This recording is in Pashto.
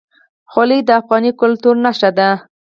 خولۍ د افغاني کلتور نښه ده.